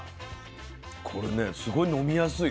これねすごい飲みやすい。